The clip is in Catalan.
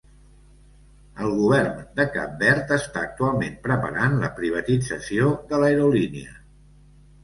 El govern de Cap Verd està actualment preparant la privatització de l'aerolínia.